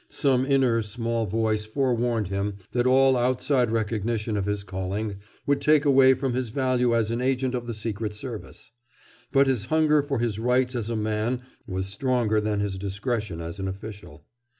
Some inner small voice forewarned him that all outside recognition of his calling would take away from his value as an agent of the Secret Service. But his hunger for his rights as a man was stronger than his discretion as an official.